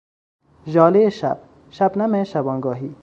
ژالهی شب، شبنم شبانگاهی